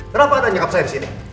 kenapa ada nyekap saya disini